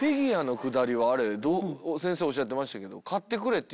先生おっしゃってましたけど。